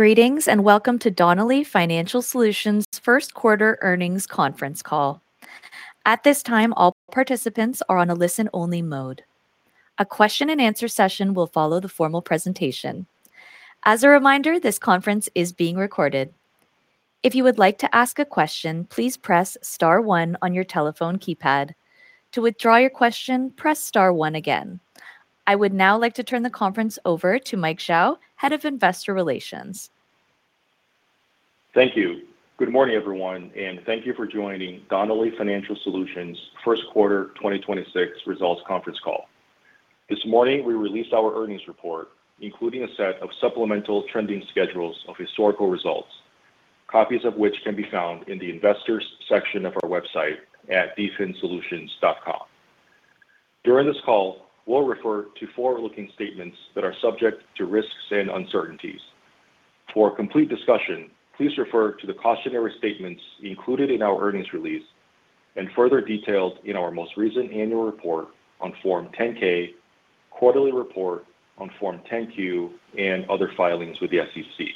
Greetings, and welcome to Donnelley Financial Solutions first quarter earnings conference call. At this time, all participants are on a listen-only mode. A question and answer session will follow the formal presentation. As a reminder, this conference is being recorded. If you would like to ask a question, please press star one on your telephone keypad. To withdraw your question, press star one again. I would now like to turn the conference over to Mike Zhao, Head of Investor Relations. Thank you. Good morning, everyone, and thank you for joining Donnelley Financial Solutions first quarter 2026 results conference call. This morning, we released our earnings report, including a set of supplemental trending schedules of historical results, copies of which can be found in the investors section of our website at dfinsolutions.com. During this call, we'll refer to forward-looking statements that are subject to risks and uncertainties. For a complete discussion, please refer to the cautionary statements included in our earnings release and further details in our most recent annual report on Form 10-K, quarterly report on Form 10-Q, and other filings with the SEC.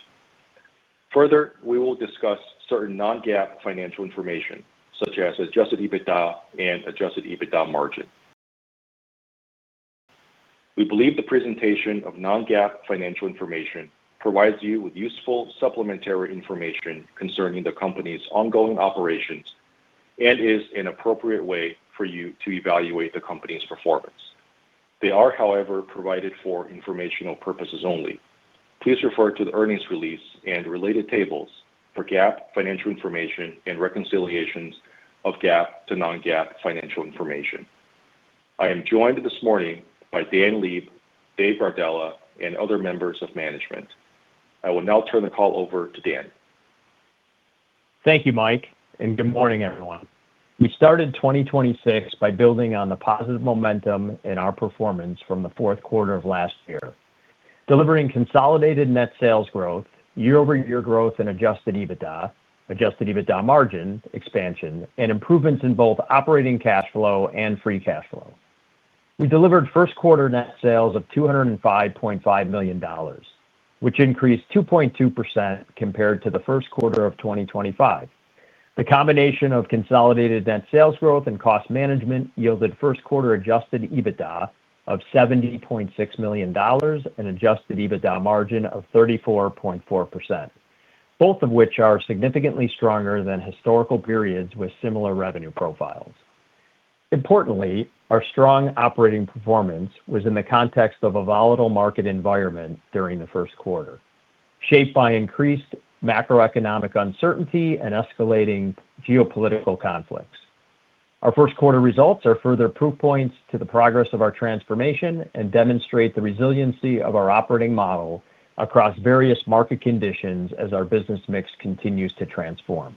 Further, we will discuss certain non-GAAP financial information such as Adjusted EBITDA and Adjusted EBITDA margin. We believe the presentation of non-GAAP financial information provides you with useful supplementary information concerning the company's ongoing operations and is an appropriate way for you to evaluate the company's performance. They are, however, provided for informational purposes only. Please refer to the earnings release and related tables for GAAP financial information and reconciliations of GAAP to non-GAAP financial information. I am joined this morning by Dan Leib, Dave Gardella, and other members of management. I will now turn the call over to Dan. Thank you, Mike. Good morning, everyone. We started 2026 by building on the positive momentum in our performance from the fourth quarter of last year, delivering consolidated net sales growth, year-over-year growth in Adjusted EBITDA, Adjusted EBITDA margin expansion, and improvements in both operating cash flow and free cash flow. We delivered first quarter net sales of $205.5 million, which increased 2.2% compared to the first quarter of 2025. The combination of consolidated net sales growth and cost management yielded first quarter Adjusted EBITDA of $70.6 million and Adjusted EBITDA margin of 34.4%, both of which are significantly stronger than historical periods with similar revenue profiles. Importantly, our strong operating performance was in the context of a volatile market environment during the first quarter, shaped by increased macroeconomic uncertainty and escalating geopolitical conflicts. Our first quarter results are further proof points to the progress of our transformation and demonstrate the resiliency of our operating model across various market conditions as our business mix continues to transform.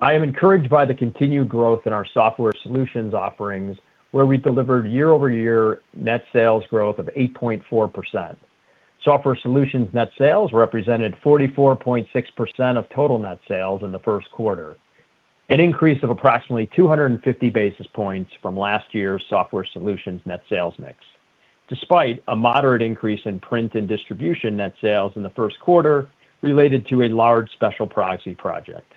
I am encouraged by the continued growth in our software solutions offerings, where we delivered year-over-year net sales growth of 8.4%. Software solutions net sales represented 44.6% of total net sales in the first quarter, an increase of approximately 250 basis points from last year's software solutions net sales mix, despite a moderate increase in print and distribution net sales in the first quarter related to a large special proxy project.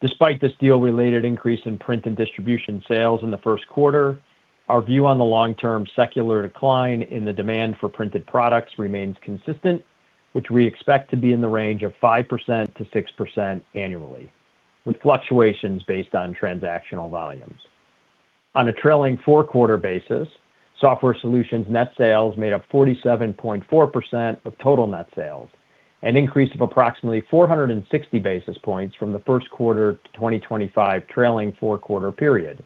Despite this deal-related increase in print and distribution sales in the first quarter, our view on the long-term secular decline in the demand for printed products remains consistent, which we expect to be in the range of 5%-6% annually, with fluctuations based on transactional volumes. On a trailing four-quarter basis, software solutions net sales made up 47.4% of total net sales, an increase of approximately 460 basis points from the first quarter 2025 trailing four-quarter period.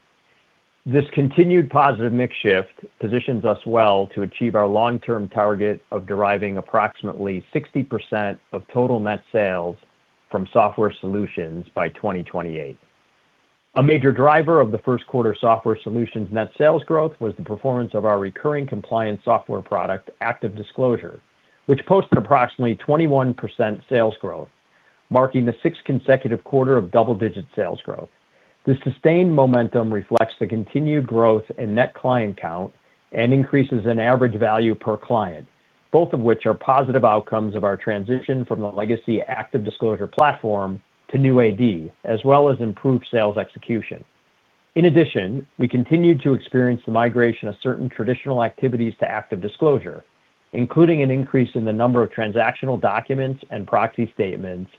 This continued positive mix shift positions us well to achieve our long-term target of deriving approximately 60% of total net sales from software solutions by 2028. A major driver of the first quarter software solutions net sales growth was the performance of our recurring compliance software product, ActiveDisclosure, which posted approximately 21% sales growth, marking the sixth consecutive quarter of double-digit sales growth. The sustained momentum reflects the continued growth in net client count and increases in average value per client, both of which are positive outcomes of our transition from the legacy ActiveDisclosure platform to new AD, as well as improved sales execution. In addition, we continued to experience the migration of certain traditional activities to ActiveDisclosure, including an increase in the number of transactional documents and proxy statements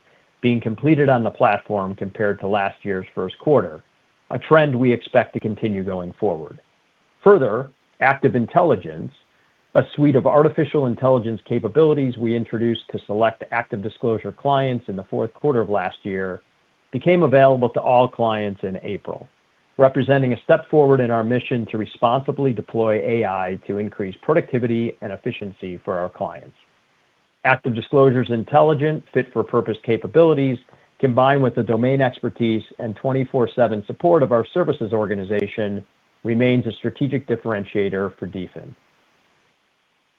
being completed on the platform compared to last year's first quarter, a trend we expect to continue going forward. Further, Active Intelligence, a suite of artificial intelligence capabilities we introduced to select ActiveDisclosure clients in the forth quarter of last year, became available to all clients in April, representing a step forward in our mission to responsibly deploy AI to increase productivity and efficiency for our clients. ActiveDisclosure's intelligent fit-for-purpose capabilities, combined with the domain expertise and 24/7 support of our services organization, remains a strategic differentiator for DFIN.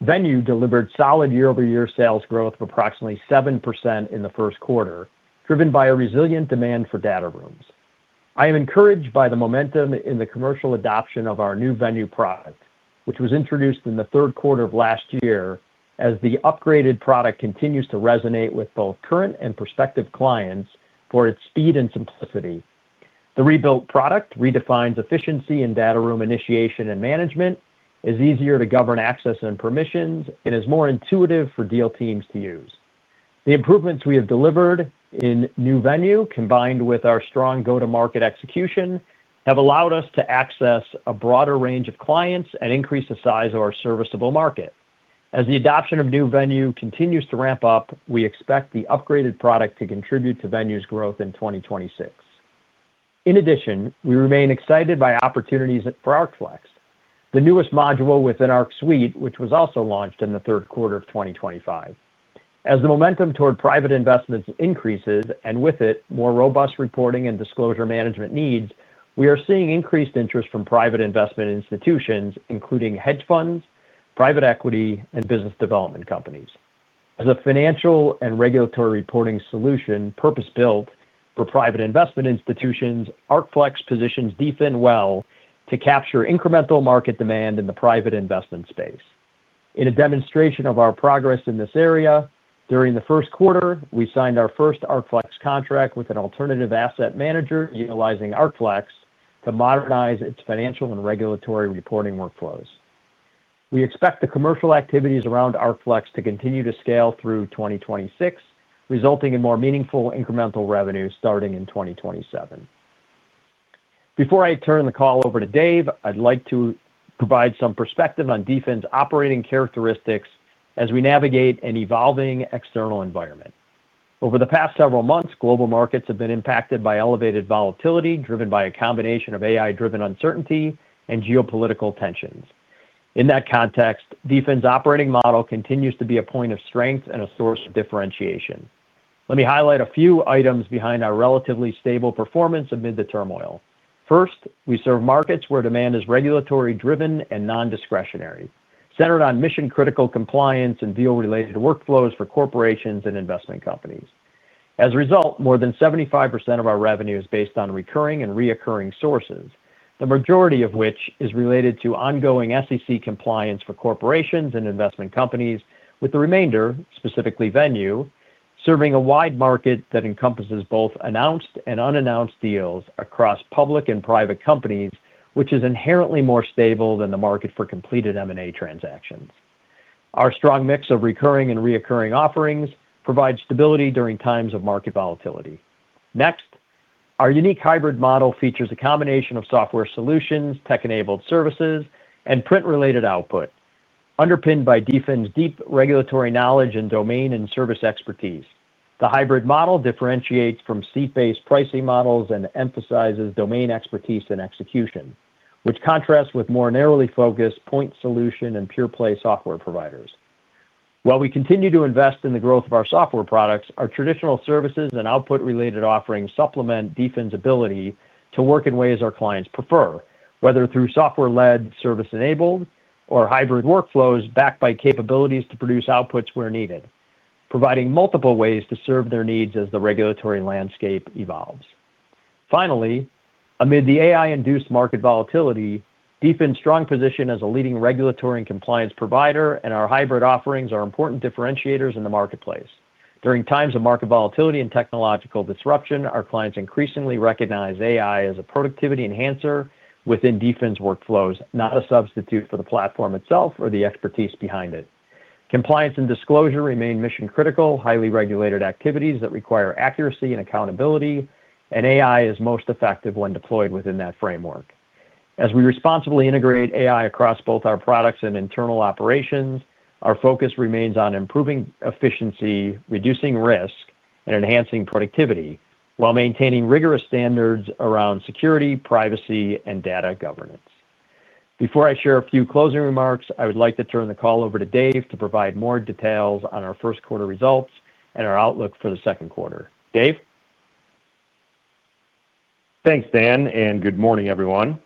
Venue delivered solid year-over-year sales growth of approximately 7% in the first quarter, driven by a resilient demand for data rooms. I am encouraged by the momentum in the commercial adoption of our new Venue product, which was introduced in the third quarter of last year as the upgraded product continues to resonate with both current and prospective clients for its speed and simplicity. The rebuilt product redefines efficiency in data room initiation and management, is easier to govern access and permissions, and is more intuitive for deal teams to use. The improvements we have delivered in new Venue, combined with our strong go-to-market execution, have allowed us to access a broader range of clients and increase the size of our serviceable market. As the adoption of new Venue continues to ramp up, we expect the upgraded product to contribute to Venue's growth in 2026. In addition, we remain excited by opportunities for ArcFlex, the newest module within ArcSuite, which was also launched in the 3rd quarter of 2025. As the momentum toward private investments increases, and with it, more robust reporting and disclosure management needs, we are seeing increased interest from private investment institutions, including hedge funds, private equity, and business development companies. As a financial and regulatory reporting solution purpose-built for private investment institutions, ArcFlex positions DFIN well to capture incremental market demand in the private investment space. In a demonstration of our progress in this area, during the first quarter, we signed our first ArcFlex contract with an alternative asset manager utilizing ArcFlex to modernize its financial and regulatory reporting workflows. We expect the commercial activities around ArcFlex to continue to scale through 2026, resulting in more meaningful incremental revenue starting in 2027. Before I turn the call over to Dave, I'd like to provide some perspective on DFIN's operating characteristics as we navigate an evolving external environment. Over the past several months, global markets have been impacted by elevated volatility, driven by a combination of AI-driven uncertainty and geopolitical tensions. In that context, DFIN's operating model continues to be a point of strength and a source of differentiation. Let me highlight a few items behind our relatively stable performance amid the turmoil. First, we serve markets where demand is regulatory-driven and non-discretionary, centered on mission-critical compliance and deal-related workflows for corporations and investment companies. As a result, more than 75% of our revenue is based on recurring and reoccurring sources, the majority of which is related to ongoing SEC compliance for corporations and investment companies, with the remainder, specifically Venue, serving a wide market that encompasses both announced and unannounced deals across public and private companies, which is inherently more stable than the market for completed M&A transactions. Our strong mix of recurring and reoccurring offerings provide stability during times of market volatility. Next, our unique hybrid model features a combination of software solutions, tech-enabled services, and print-related output, underpinned by DFIN's deep regulatory knowledge and domain and service expertise. The hybrid model differentiates from seat-based pricing models and emphasizes domain expertise and execution, which contrasts with more narrowly focused point solution and pure-play software providers. While we continue to invest in the growth of our software products, our traditional services and output-related offerings supplement DFIN's ability to work in ways our clients prefer, whether through software-led, service-enabled, or hybrid workflows backed by capabilities to produce outputs where needed, providing multiple ways to serve their needs as the regulatory landscape evolves. Finally, amid the AI-induced market volatility, DFIN's strong position as a leading regulatory and compliance provider and our hybrid offerings are important differentiators in the marketplace. During times of market volatility and technological disruption, our clients increasingly recognize AI as a productivity enhancer within DFIN's workflows, not a substitute for the platform itself or the expertise behind it. Compliance and disclosure remain mission-critical, highly regulated activities that require accuracy and accountability. AI is most effective when deployed within that framework. As we responsibly integrate AI across both our products and internal operations, our focus remains on improving efficiency, reducing risk, and enhancing productivity while maintaining rigorous standards around security, privacy, and data governance. Before I share a few closing remarks, I would like to turn the call over to Dave to provide more details on our first quarter results and our outlook for the second quarter. Dave? Thanks, Dan, and good morning, everyone.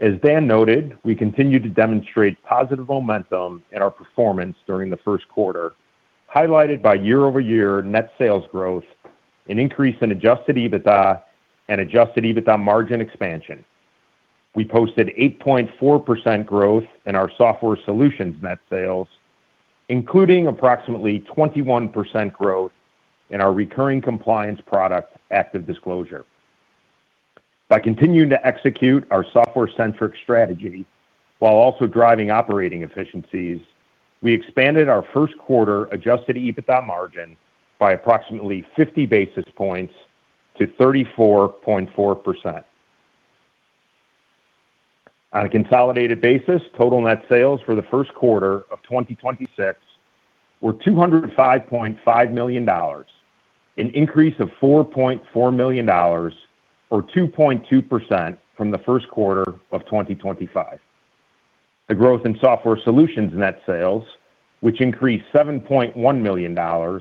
As Dan noted, we continue to demonstrate positive momentum in our performance during the first quarter, highlighted by year-over-year net sales growth, an increase in Adjusted EBITDA, and Adjusted EBITDA margin expansion. We posted 8.4% growth in our software solutions net sales, including approximately 21% growth in our recurring compliance product, ActiveDisclosure. By continuing to execute our software-centric strategy while also driving operating efficiencies, we expanded our first quarter Adjusted EBITDA margin by approximately 50 basis points to 34.4%. On a consolidated basis, total net sales for the first quarter of 2026 were $205.5 million, an increase of $4.4 million or 2.2% from the first quarter of 2025. The growth in software solutions net sales, which increased $7.1 million or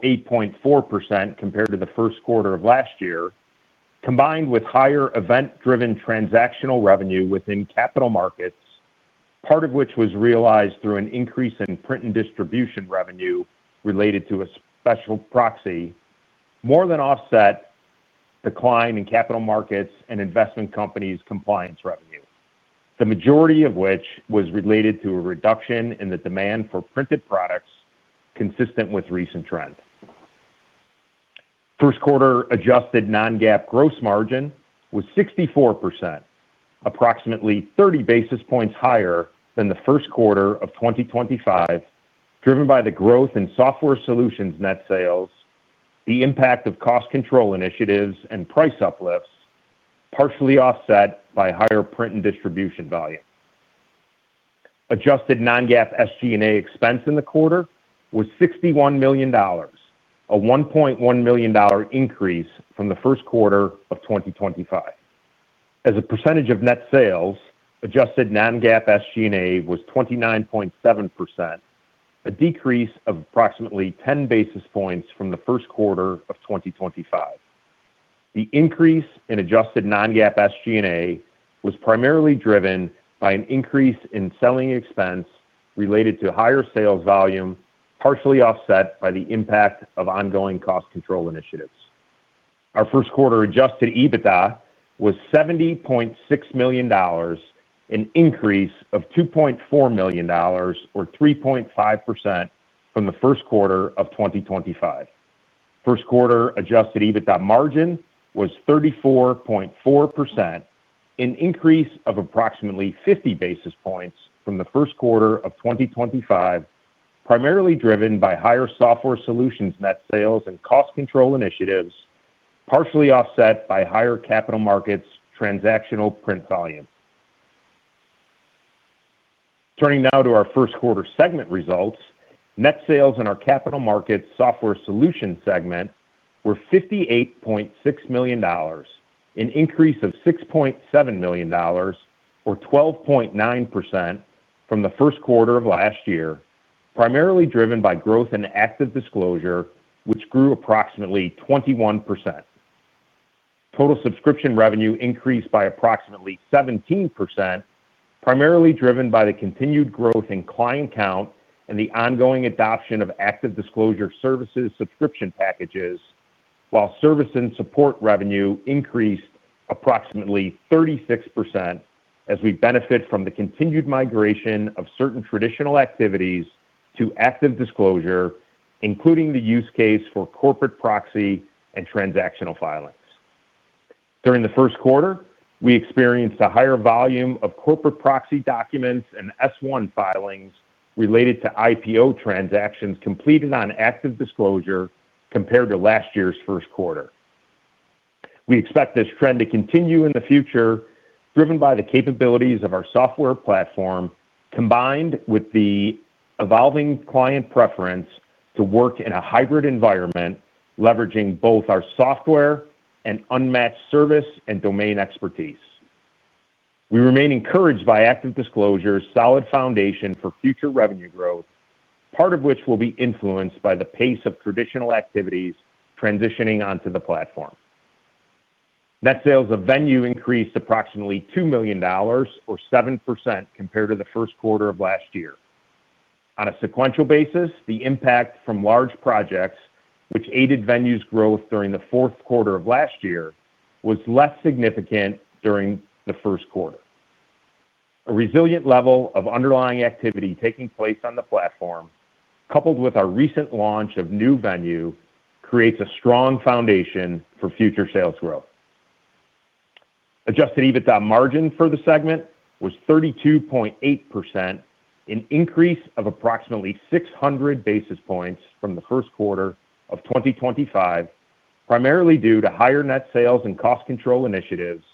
8.4% compared to the first quarter of last year, combined with higher event-driven transactional revenue within capital markets, part of which was realized through an increase in print and distribution revenue related to a special proxy, more than offset decline in capital markets and investment companies compliance revenue. The majority of which was related to a reduction in the demand for printed products consistent with recent trends. First quarter adjusted non-GAAP gross margin was 64%, approximately 30 basis points higher than the first quarter of 2025, driven by the growth in software solutions net sales, the impact of cost control initiatives and price uplifts, partially offset by higher print and distribution volume. Adjusted non-GAAP SG&A expense in the quarter was $61 million, a $1.1 million increase from the first quarter of 2025. As a percentage of net sales, adjusted non-GAAP SG&A was 29.7%, a decrease of approximately 10 basis points from the first quarter of 2025. The increase in adjusted non-GAAP SG&A was primarily driven by an increase in selling expense related to higher sales volume, partially offset by the impact of ongoing cost control initiatives. Our first quarter Adjusted EBITDA was $70.6 million, an increase of $2.4 million or 3.5% from the first quarter of 2025. First quarter Adjusted EBITDA margin was 34.4%, an increase of approximately 50 basis points from the first quarter of 2025, primarily driven by higher software solutions net sales and cost control initiatives, partially offset by higher capital markets transactional print volume. Turning now to our first quarter segment results, net sales in our capital markets software solutions segment were $58.6 million, an increase of $6.7 million or 12.9% from the first quarter of last year, primarily driven by growth in ActiveDisclosure, which grew approximately 21%. Total subscription revenue increased by approximately 17%, primarily driven by the continued growth in client count and the ongoing adoption of ActiveDisclosure services subscription packages, while service and support revenue increased approximately 36% as we benefit from the continued migration of certain traditional activities to ActiveDisclosure, including the use case for corporate proxy and transactional filings. During the first quarter, we experienced a higher volume of corporate proxy documents and Form S-1 filings related to IPO transactions completed on ActiveDisclosure compared to last year's first quarter. We expect this trend to continue in the future, driven by the capabilities of our software platform combined with the evolving client preference to work in a hybrid environment, leveraging both our software and unmatched service and domain expertise. We remain encouraged by ActiveDisclosure's solid foundation for future revenue growth, part of which will be influenced by the pace of traditional activities transitioning onto the platform. Net sales of Venue increased approximately $2 million or 7% compared to the first quarter of last year. On a sequential basis, the impact from large projects, which aided Venue's growth during the fourth quarter of last year, was less significant during the first quarter. A resilient level of underlying activity taking place on the platform, coupled with our recent launch of New Venue, creates a strong foundation for future sales growth. Adjusted EBITDA margin for the segment was 32.8%, an increase of approximately 600 basis points from the first quarter of 2025, primarily due to higher net sales and cost control initiatives,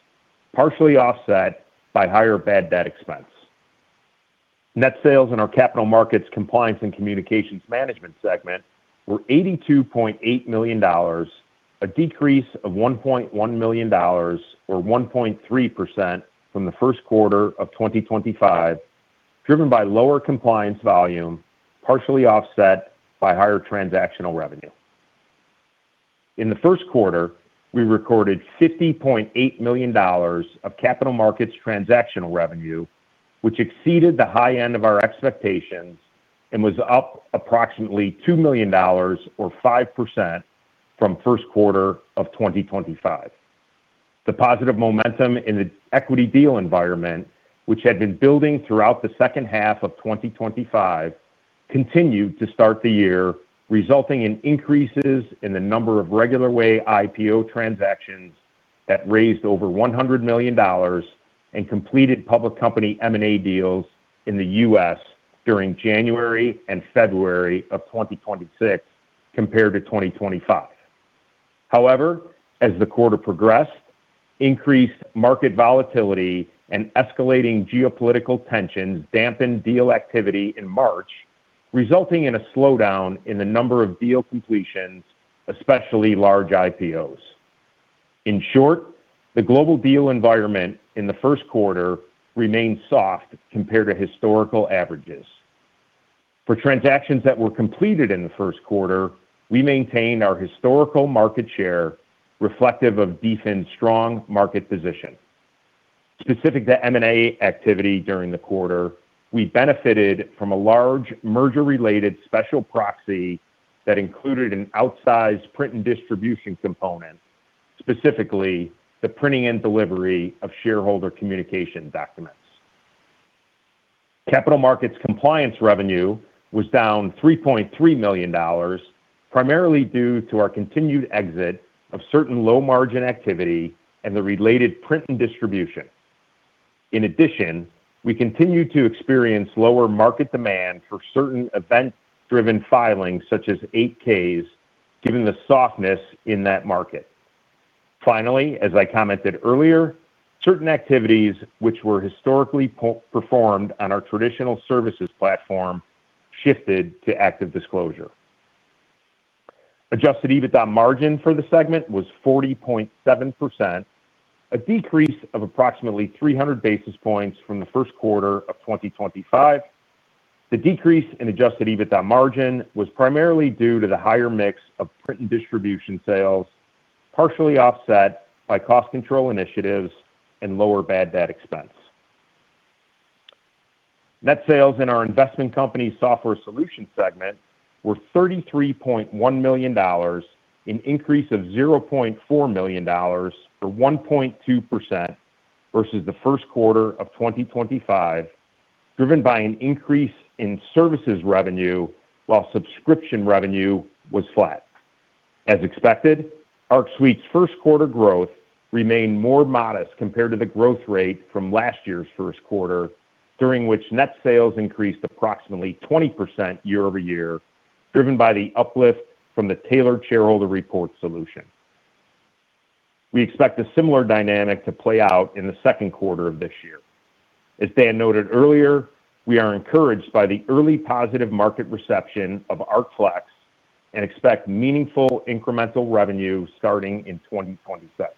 partially offset by higher bad debt expense. Net sales in our capital markets compliance and communications management segment were $82.8 million, a decrease of $1.1 million or 1.3% from the first quarter of 2025, driven by lower compliance volume, partially offset by higher transactional revenue. In the first quarter, we recorded $50.8 million of capital markets transactional revenue, which exceeded the high end of our expectations and was up approximately $2 million or 5% from first quarter of 2025. The positive momentum in the equity deal environment, which had been building throughout the second half of 2025, continued to start the year, resulting in increases in the number of regular way IPO transactions that raised over $100 million and completed public company M&A deals in the U.S. during January and February of 2026 compared to 2025. As the quarter progressed, increased market volatility and escalating geopolitical tensions dampened deal activity in March, resulting in a slowdown in the number of deal completions, especially large IPOs. In short, the global deal environment in the first quarter remained soft compared to historical averages. For transactions that were completed in the first quarter, we maintained our historical market share reflective of DFIN's strong market position. Specific to M&A activity during the quarter, we benefited from a large merger-related special proxy that included an outsized print and distribution component, specifically the printing and delivery of shareholder communication documents. Capital markets compliance revenue was down $3.3 million, primarily due to our continued exit of certain low-margin activity and the related print and distribution. In addition, we continue to experience lower market demand for certain event-driven filings, such as 8-Ks, given the softness in that market. Finally, as I commented earlier, certain activities which were historically performed on our traditional services platform shifted to ActiveDisclosure. Adjusted EBITDA margin for the segment was 40.7%, a decrease of approximately 300 basis points from the first quarter of 2025. The decrease in Adjusted EBITDA margin was primarily due to the higher mix of print and distribution sales, partially offset by cost control initiatives and lower bad debt expense. Net sales in our investment company software solutions segment were $33.1 million, an increase of $0.4 million, or 1.2% versus the first quarter of 2025, driven by an increase in services revenue while subscription revenue was flat. As expected, ArcSuite's first quarter growth remained more modest compared to the growth rate from last year's first quarter, during which net sales increased approximately 20% year-over-year, driven by the uplift from the tailored shareholder report solution. We expect a similar dynamic to play out in the second quarter of this year. As Dan noted earlier, we are encouraged by the early positive market reception of ArcFlex and expect meaningful incremental revenue starting in 2027.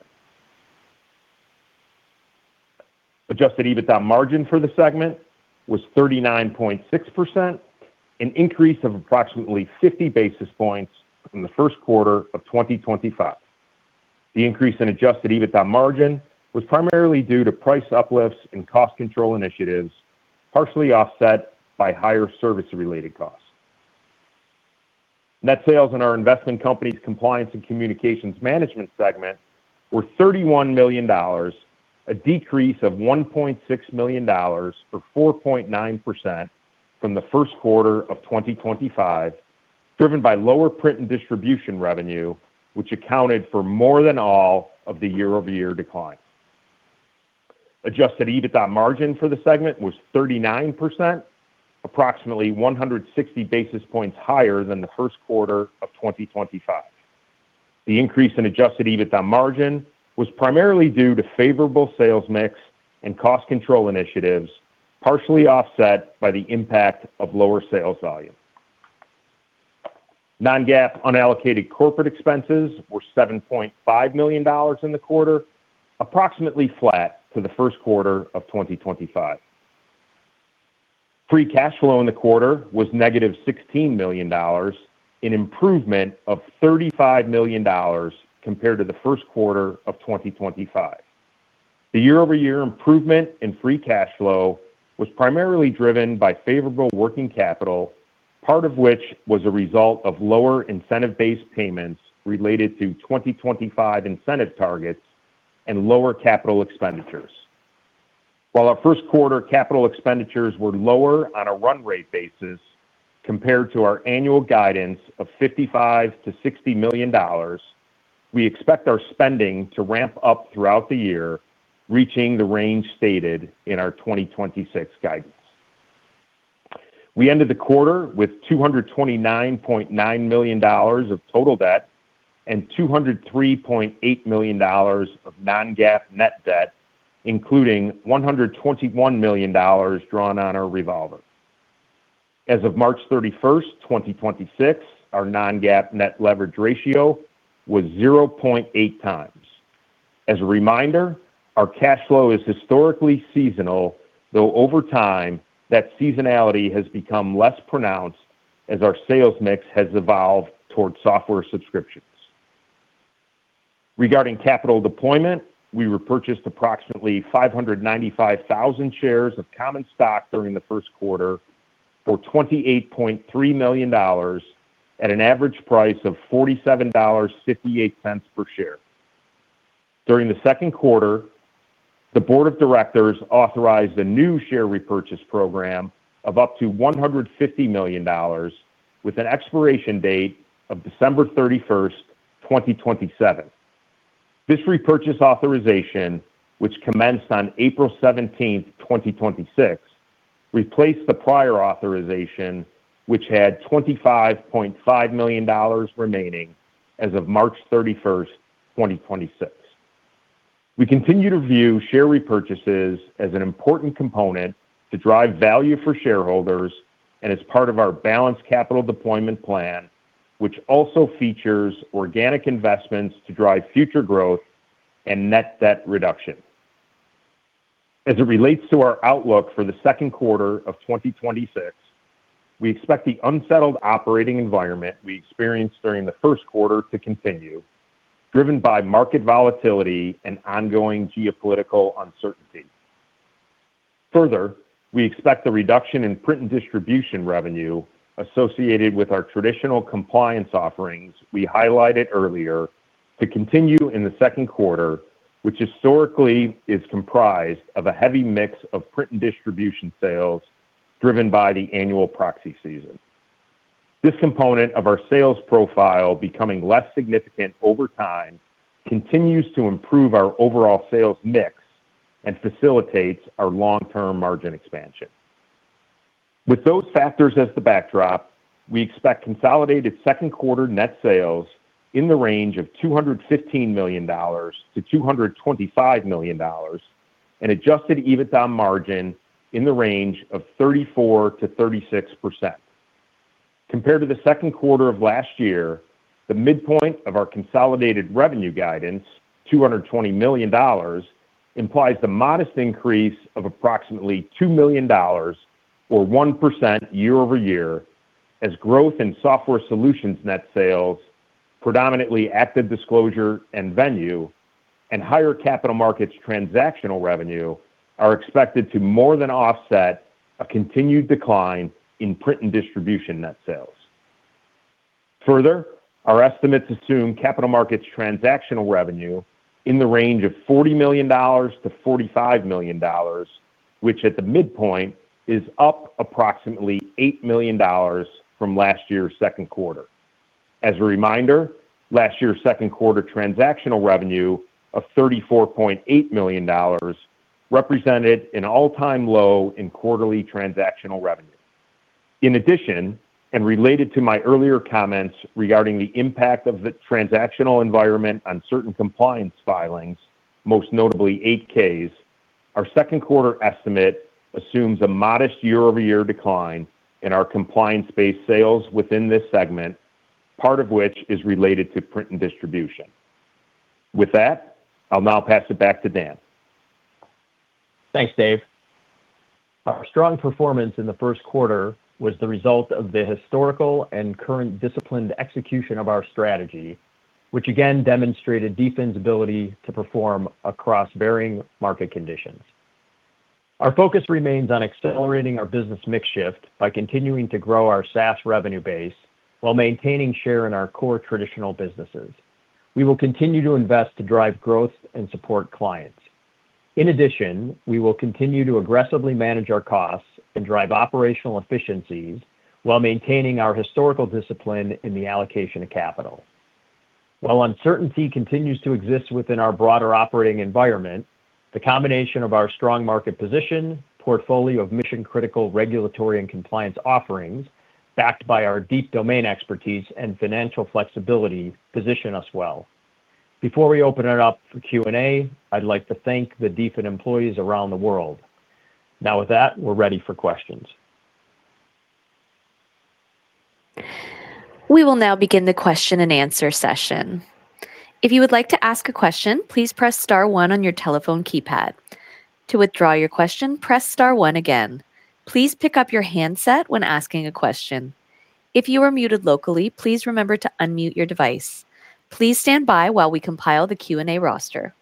Adjusted EBITDA margin for the segment was 39.6%, an increase of approximately 50 basis points from the first quarter of 2025. The increase in Adjusted EBITDA margin was primarily due to price uplifts and cost control initiatives, partially offset by higher service-related costs. Net sales in our investment company's compliance and communications management segment were $31 million, a decrease of $1.6 million, or 4.9% from the first quarter of 2025, driven by lower print and distribution revenue, which accounted for more than all of the year-over-year decline. Adjusted EBITDA margin for the segment was 39%, approximately 160 basis points higher than the first quarter of 2025. The increase in Adjusted EBITDA margin was primarily due to favorable sales mix and cost control initiatives, partially offset by the impact of lower sales volume. Non-GAAP unallocated corporate expenses were $7.5 million in the quarter, approximately flat to the first quarter of 2025. Free cash flow in the quarter was -$16 million, an improvement of $35 million compared to the first quarter of 2025. The year-over-year improvement in free cash flow was primarily driven by favorable working capital, part of which was a result of lower incentive-based payments related to 2025 incentive targets and lower capital expenditures. While our first quarter capital expenditures were lower on a run rate basis compared to our annual guidance of $55 million-$60 million, we expect our spending to ramp up throughout the year, reaching the range stated in our 2026 guidance. We ended the quarter with $229.9 million of total debt and $203.8 million of non-GAAP net debt, including $121 million drawn on our revolver. As of March 31st, 2026, our non-GAAP net leverage ratio was 0.8x. As a reminder, our cash flow is historically seasonal, though over time, that seasonality has become less pronounced as our sales mix has evolved towards software subscriptions. Regarding capital deployment, we repurchased approximately 595,000 shares of common stock during the first quarter for $28.3 million at an average price of $47.58 per share. During the second quarter, the board of directors authorized a new share repurchase program of up to $150 million with an expiration date of December 31st, 2027. This repurchase authorization, which commenced on April 17th, 2026, replaced the prior authorization, which had $25.5 million remaining as of March 31st, 2026. We continue to view share repurchases as an important component to drive value for shareholders and as part of our balanced capital deployment plan, which also features organic investments to drive future growth and net debt reduction. As it relates to our outlook for the second quarter of 2026, we expect the unsettled operating environment we experienced during the first quarter to continue, driven by market volatility and ongoing geopolitical uncertainty. Further, we expect the reduction in print and distribution revenue associated with our traditional compliance offerings we highlighted earlier to continue in the second quarter, which historically is comprised of a heavy mix of print and distribution sales driven by the annual proxy season. This component of our sales profile becoming less significant over time continues to improve our overall sales mix and facilitates our long-term margin expansion. With those factors as the backdrop, we expect consolidated second quarter net sales in the range of $215 million-$225 million and Adjusted EBITDA margin in the range of 34%-36%. Compared to the second quarter of last year, the midpoint of our consolidated revenue guidance, $220 million, implies a modest increase of approximately $2 million or 1% year-over-year as growth in software solutions net sales, predominantly ActiveDisclosure and Venue and higher capital markets transactional revenue, are expected to more than offset a continued decline in print and distribution net sales. Further, our estimates assume capital markets transactional revenue in the range of $40 million-e$45 million, which at the midpoint is up approximately $8 million from last year's second quarter. As a reminder, last year's second quarter transactional revenue of $34.8 million represented an all-time low in quarterly transactional revenue. In addition, and related to my earlier comments regarding the impact of the transactional environment on certain compliance filings, most notably 8-Ks, our second quarter estimate assumes a modest year-over-year decline in our compliance-based sales within this segment, part of which is related to print and distribution. With that, I'll now pass it back to Dan. Thanks, Dave. Our strong performance in the first quarter was the result of the historical and current disciplined execution of our strategy, which again demonstrated DFIN's ability to perform across varying market conditions. Our focus remains on accelerating our business mix shift by continuing to grow our SaaS revenue base while maintaining share in our core traditional businesses. We will continue to invest to drive growth and support clients. In addition, we will continue to aggressively manage our costs and drive operational efficiencies while maintaining our historical discipline in the allocation of capital. While uncertainty continues to exist within our broader operating environment, the combination of our strong market position, portfolio of mission-critical regulatory and compliance offerings, backed by our deep domain expertise and financial flexibility position us well. Before we open it up for Q&A, I'd like to thank the DFIN employees around the world. Now with that, we're ready for questions. We will now begin the question and answer session. If you would like to ask a question, please press star one on your telephone keypad. To withdraw your question, press star one again. Please pick up your handset when asking a question. If you are muted locally, please remember to unmute your device. Please stand by while we compile the Q&A roster.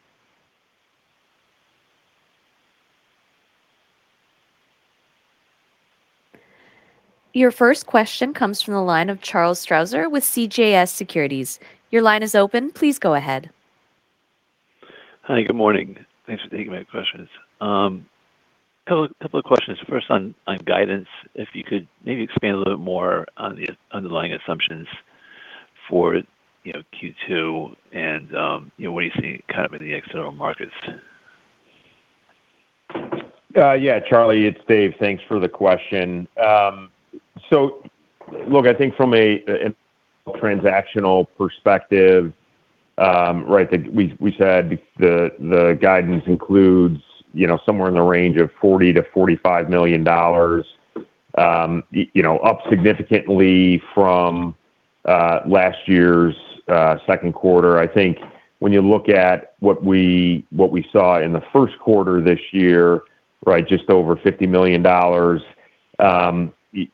Your first question comes from the line of Charles Strauzer with CJS Securities. Your line is open. Please go ahead. Hi, good morning. Thanks for taking my questions. Two questions. First on guidance, if you could maybe expand a little bit more on the underlying assumptions for, you know, Q2 and, you know, what are you seeing kind of in the external markets? Yeah, Charlie, it's Dave. Thanks for the question. Look, I think from a transactional perspective, right, we said the guidance includes, you know, somewhere in the range of $40 million-$45 million, you know, up significantly from last year's second quarter. I think when you look at what we saw in the first quarter this year, right, just over $50 million,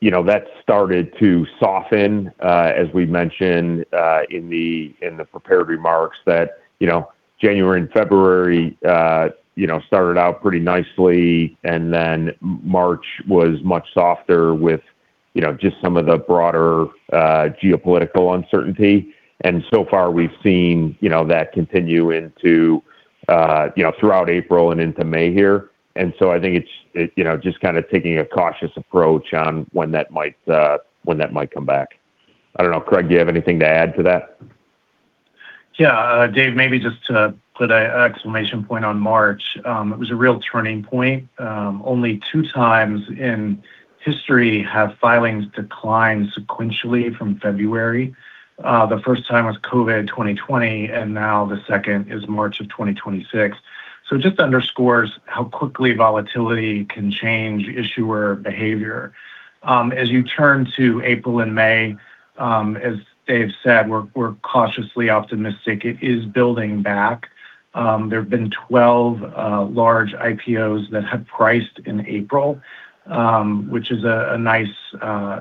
you know, that started to soften, as we mentioned in the prepared remarks that, you know, January and February, you know, started out pretty nicely, and then March was much softer with, you know, just some of the broader geopolitical uncertainty. So far, we've seen, you know, that continue into, you know, throughout April and into May here. I think it's, it, you know, just kinda taking a cautious approach on when that might, when that might come back. I don't know. Craig, do you have anything to add to that? Yeah. Dave, maybe just to put a exclamation point on March. It was a real turning point. Only two times in history have filings declined sequentially from February. The first time was COVID 2020, and now the second is March of 2026. It just underscores how quickly volatility can change issuer behavior. As you turn to April and May, as Dave said, we're cautiously optimistic. It is building back. There have been 12 large IPOs that have priced in April, which is a nice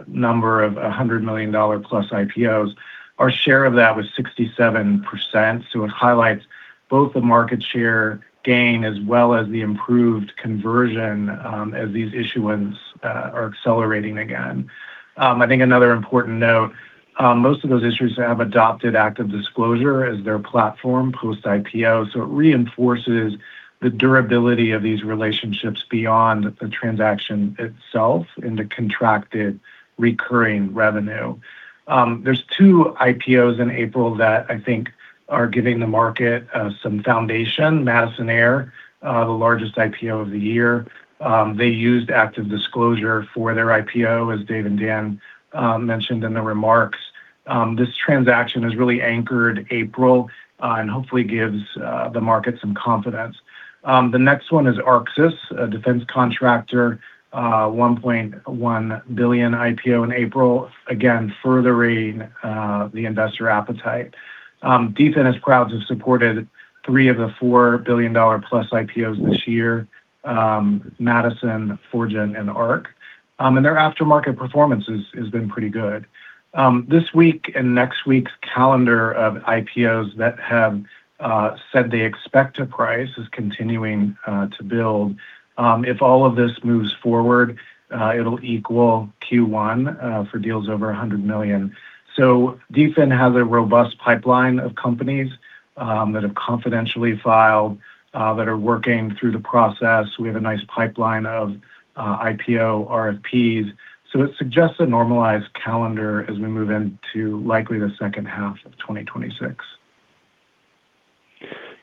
number of $100+ million IPOs. Our share of that was 67%, so it highlights both the market share gain as well as the improved conversion as these issuance are accelerating again. I think another important note, most of those issuers have adopted ActiveDisclosure as their platform post IPO, so it reinforces the durability of these relationships beyond the transaction itself in the contracted recurring revenue. There's two IPOs in April that I think are giving the market some foundation. Madison Air, the largest IPO of the year, they used ActiveDisclosure for their IPO, as Dave and Dan mentioned in the remarks. This transaction has really anchored April, and hopefully gives the market some confidence. The next one is Arxis, a defense contractor, $1.1 billion IPO in April, again, furthering the investor appetite. Defense crowds have supported three of the four billion-dollar-plus IPOs this year, Madison, Forgen, and Arxis. And their aftermarket performance has been pretty good. This week and next week's calendar of IPOs that have said they expect a price is continuing to build. If all of this moves forward, it'll equal Q1 for deals over $100 million. DFIN has a robust pipeline of companies that have confidentially filed that are working through the process. We have a nice pipeline of IPO RFPs. It suggests a normalized calendar as we move into likely the second half of 2026.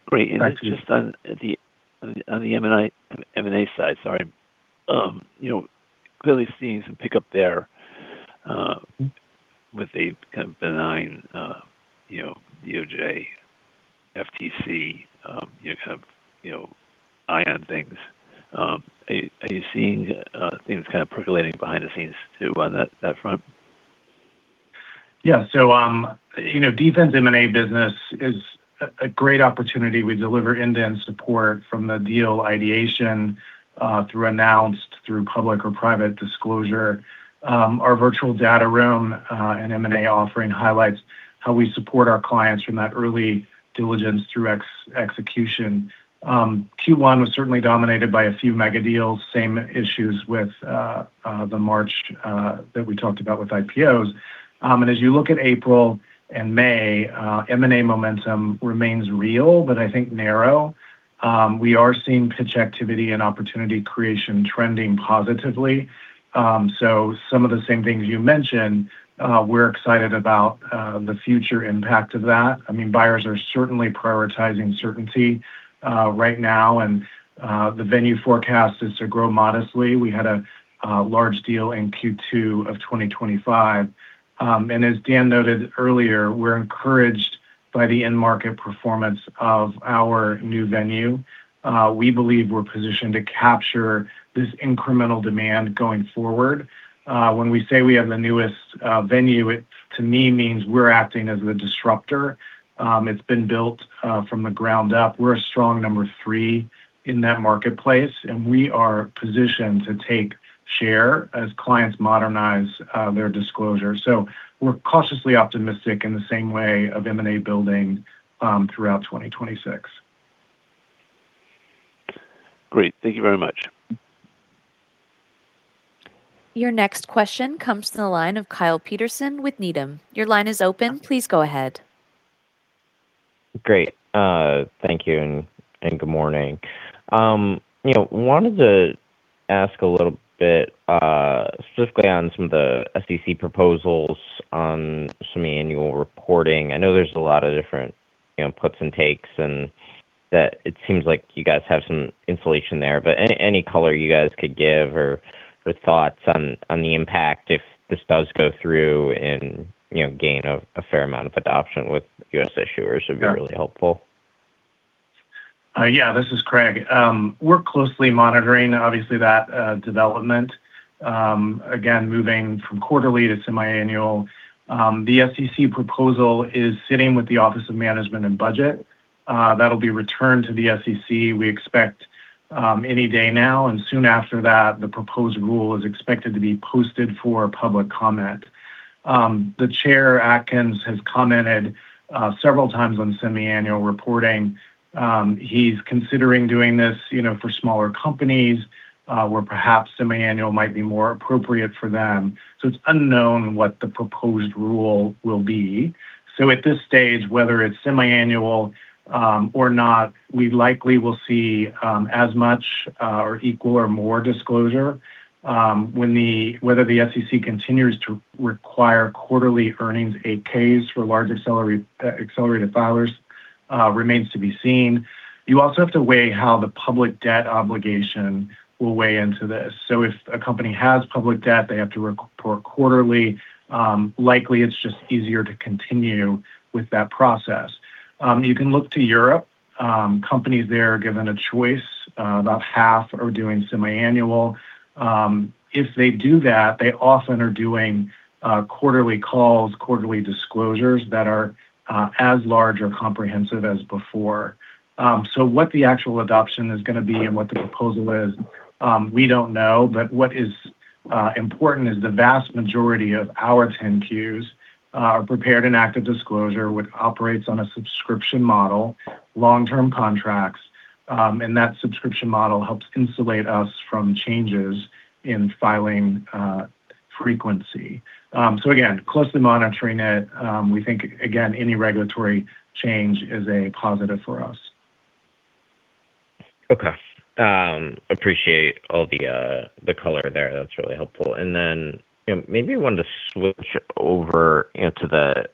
Great. Just on the M&A side, sorry. you know, clearly seeing some pickup there, with a kind of benign, you know, DOJ, FTC, you have, you know, eye on things. Are you seeing things kind of percolating behind the scenes too on that front? Yeah. You know, defense M&A business is a great opportunity. We deliver end-to-end support from the deal ideation through announced, through public or private disclosure. Our virtual data room and M&A offering highlights how we support our clients from that early diligence through execution. Q1 was certainly dominated by a few mega deals, same issues with the March that we talked about with IPOs. As you look at April and May, M&A momentum remains real, but I think narrow. We are seeing pitch activity and opportunity creation trending positively. Some of the same things you mentioned, we're excited about the future impact of that. I mean, buyers are certainly prioritizing certainty right now, and the Venue forecast is to grow modestly. We had a large deal in Q2 of 2025. As Dan noted earlier, we're encouraged by the end market performance of our new Venue. We believe we're positioned to capture this incremental demand going forward. When we say we have the newest Venue, it to me means we're acting as the disruptor. It's been built from the ground up. We're a strong number three in that marketplace, and we are positioned to take share as clients modernize their disclosure. We're cautiously optimistic in the same way of M&A building throughout 2026. Great. Thank you very much. Your next question comes from the line of Kyle Peterson with Needham. Your line is open. Please go ahead. Great. Thank you, and good morning. You know, wanted to ask a little bit specifically on some of the SEC proposals on some annual reporting. I know there's a lot of different, you know, puts and takes and that it seems like you guys have some insulation there. Any color you guys could give or thoughts on the impact if this does go through and, you know, gain a fair amount of adoption with U.S. issuers would be really helpful. Yeah. This is Craig. We're closely monitoring obviously that development, again, moving from quarterly to semi-annual. The Office of Management and Budget. That'll be returned to the SEC, we expect, any day now. Soon after that, the proposed rule is expected to be posted for public comment. The Chair Atkins has commented several times on semi-annual reporting. He's considering doing this, you know, for smaller companies, where perhaps semi-annual might be more appropriate for them. It's unknown what the proposed rule will be. At this stage, whether it's semi-annual or not, we likely will see as much or equal or more disclosure, whether the SEC continues to require quarterly earnings, 8-Ks for large accelerated filers, remains to be seen. You also have to weigh how the public debt obligation will weigh into this. If a company has public debt, they have to re-report quarterly. Likely it's just easier to continue with that process. You can look to Europe. Companies there are given a choice. About half are doing semi-annual. If they do that, they often are doing quarterly calls, quarterly disclosures that are as large or comprehensive as before. What the actual adoption is gonna be and what the proposal is, we don't know. What is important is the vast majority of our 10-Qs are prepared in ActiveDisclosure, which operates on a subscription model, long-term contracts. That subscription model helps insulate us from changes in filing frequency. Again, closely monitoring it. We think, again, any regulatory change is a positive for us. Okay. Appreciate all the color there. That's really helpful. You know, maybe wanted to switch over into the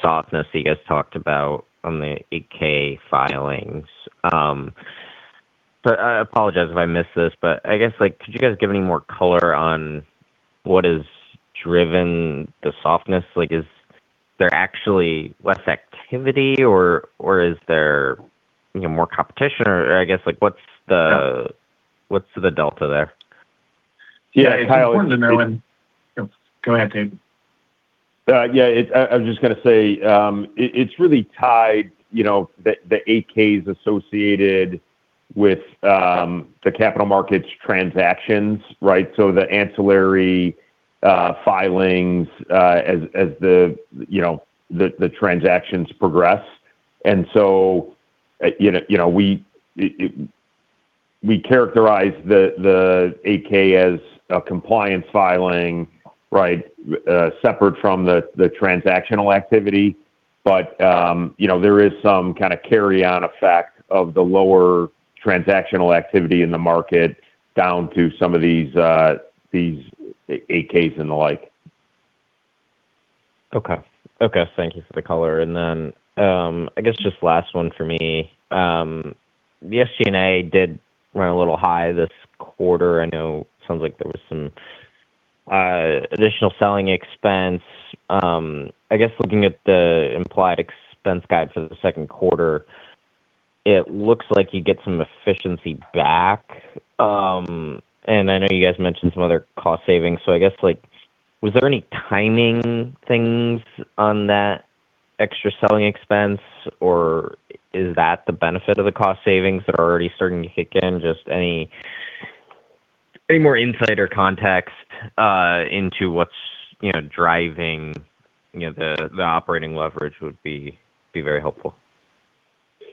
softness that you guys talked about on the Form 8-K filings. I apologize if I missed this, but I guess, like, could you guys give any more color on what has driven the softness? Like, is there actually less activity or is there, you know, more competition? What's the delta there? Yeah, it's important to know. Yeah. Go ahead, Dave. I was just gonna say, it's really tied, you know, the 8-Ks associated with the capital markets transactions, right? The ancillary filings as the, you know, the transactions progress. You know, you know, we characterize the 8-K as a compliance filing, right? Separate from the transactional activity. You know, there is some kind of carry-on effect of the lower transactional activity in the market down to some of these 8-Ks and the like. Okay. Okay. Thank you for the color. I guess just last one for me. The SG&A did run a little high this quarter. I know it sounds like there was some additional selling expense. I guess looking at the implied expense guide for the second quarter, it looks like you get some efficiency back. I know you guys mentioned some other cost savings. I guess, like, was there any timing things on that extra selling expense, or is that the benefit of the cost savings that are already starting to kick in? Just any more insight or context into what's, you know, driving, you know, the operating leverage would be very helpful.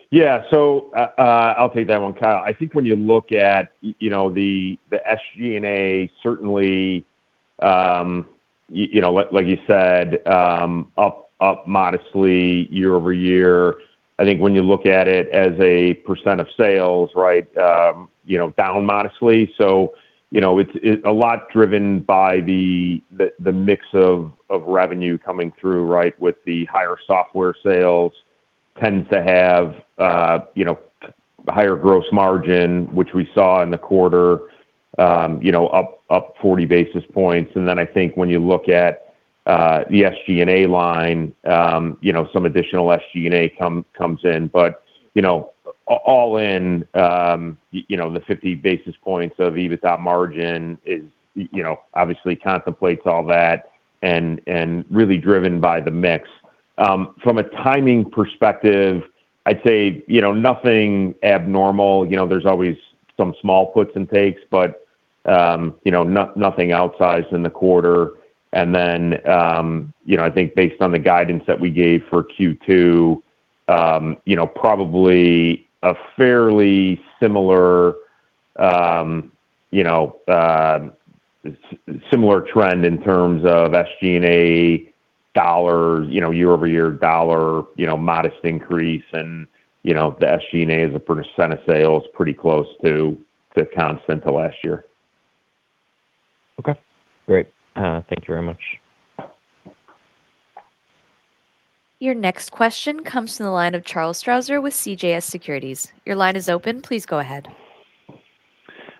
Yeah. I'll take that one, Kyle. I think when you look at, you know, the SG&A, certainly, you know, like you said, up modestly year-over-year. I think when you look at it as a percent of sales, right, you know, down modestly. You know, it's a lot driven by the mix of revenue coming through, right, with the higher software sales tends to have, you know, higher gross margin, which we saw in the quarter, you know, up 40 basis points. I think when you look at the SG&A line, you know, some additional SG&A comes in. All in, you know, the 50 basis points of EBITDA margin is, you know, obviously contemplates all that and really driven by the mix. From a timing perspective, I'd say, you know, nothing abnormal. You know, there's always some small puts and takes, you know, nothing outsized in the quarter. You know, I think based on the guidance that we gave for Q2, you know, probably a fairly similar, you know, similar trend in terms of SG&A dollars, you know, year-over-year dollar, you know, modest increase. You know, the SG&A as a % of sales, pretty close to the count since the last year. Okay, great. Thank you very much. Your next question comes from the line of Charles Strauzer with CJS Securities. Your line is open. Please go ahead.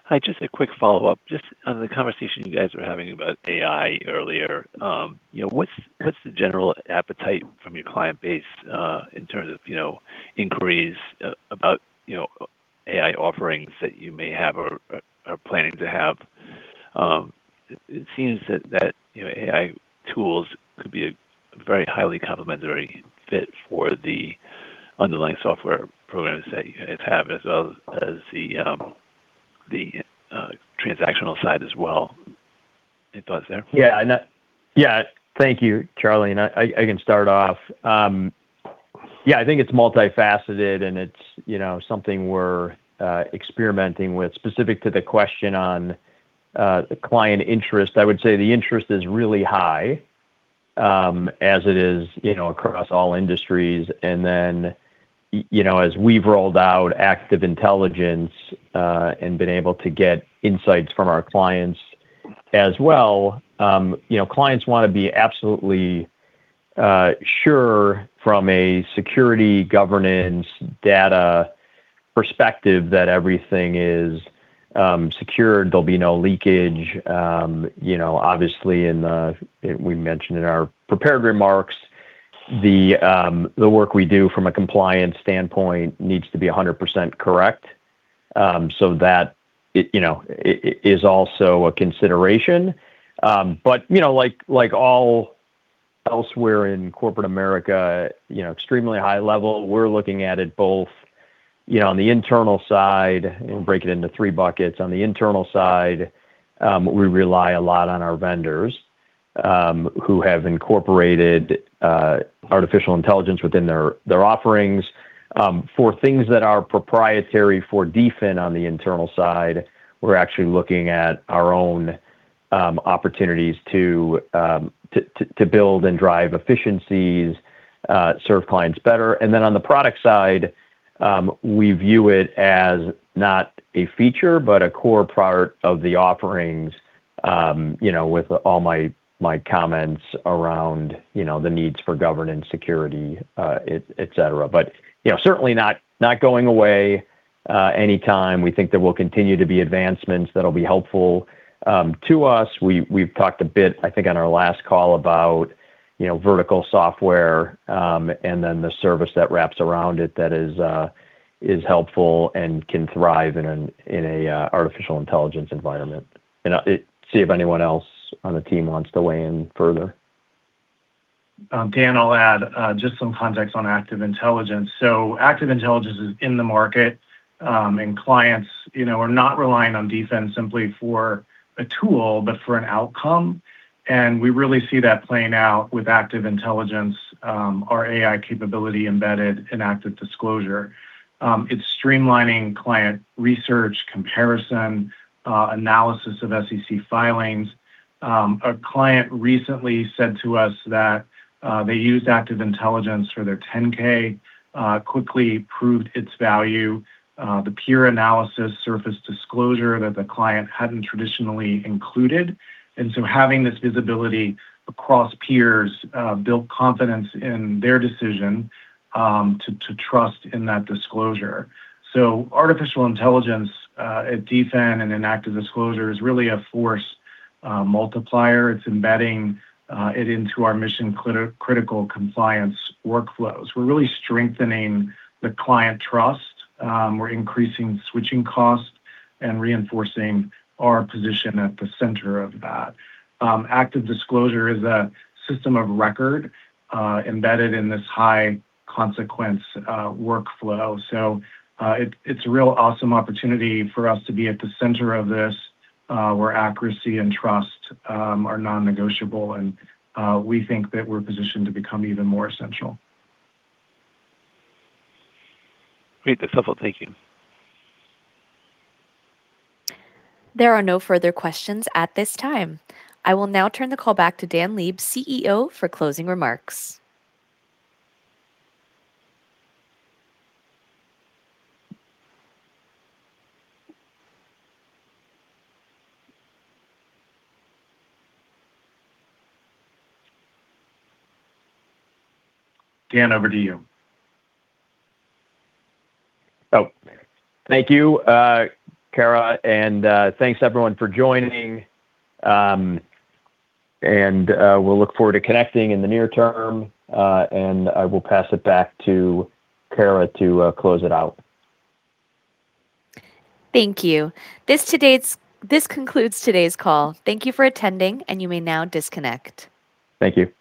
Hi, just a quick follow-up. Just on the conversation you guys were having about AI earlier, you know, what's the general appetite from your client base in terms of, you know, inquiries about, you know, AI offerings that you may have or planning to have? It seems that, you know, AI tools could be a very highly complementary fit for the underlying software programs that you guys have as well as the transactional side as well. Any thoughts there? Yeah. Thank you, Charles. I can start off. Yeah, I think it's multifaceted, and it's, you know, something we're experimenting with. Specific to the question on client interest, I would say the interest is really high, as it is, you know, across all industries. You know, as we've rolled out Active Intelligence, and been able to get insights from our clients as well, you know, clients wanna be absolutely sure from a security, governance, data perspective that everything is secured, there'll be no leakage. You know, obviously we mentioned in our prepared remarks the work we do from a compliance standpoint needs to be 100% correct. It, you know, it is also a consideration. You know, like all elsewhere in corporate America, you know, extremely high level, we're looking at it both, you know, on the internal side, we break it into three buckets. On the internal side, we rely a lot on our vendors, who have incorporated artificial intelligence within their offerings. For things that are proprietary for DFIN on the internal side, we're actually looking at our own opportunities to build and drive efficiencies, serve clients better. On the product side, we view it as not a feature, but a core part of the offerings, you know, with all my comments around, you know, the needs for governance, security, et cetera. You know, certainly not going away anytime. We think there will continue to be advancements that'll be helpful to us. We've talked a bit, I think on our last call about, you know, vertical software, and then the service that wraps around it that is helpful and can thrive in an artificial intelligence environment. See if anyone else on the team wants to weigh in further. Dan, I'll add just some context on Active Intelligence. Active Intelligence is in the market, and clients, you know, are not relying on DFIN simply for a tool, but for an outcome. We really see that playing out with Active Intelligence, our AI capability embedded in ActiveDisclosure. It's streamlining client research, comparison, analysis of SEC filings. A client recently said to us that they used Active Intelligence for their Form 10-K, quickly proved its value. The peer analysis surface disclosure that the client hadn't traditionally included. Having this visibility across peers, built confidence in their decision to trust in that disclosure. Artificial intelligence at DFIN and in ActiveDisclosure is really a force multiplier. It's embedding it into our mission-critical compliance workflows. We're really strengthening the client trust. We're increasing switching costs and reinforcing our position at the center of that. ActiveDisclosure is a system of record embedded in this high consequence workflow. It's a real awesome opportunity for us to be at the center of this where accuracy and trust are non-negotiable. We think that we're positioned to become even more essential. Great. That's helpful. Thank you. There are no further questions at this time. I will now turn the call back to Dan Leib, CEO, for closing remarks. Dan, over to you. Thank you, Kara, thanks everyone for joining. We'll look forward to connecting in the near term. I will pass it back to Kara to close it out. Thank you. This concludes today's call. Thank you for attending, and you may now disconnect. Thank you.